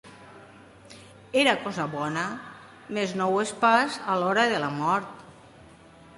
Era cosa bona, més no ho és pas a l’hora de la mort.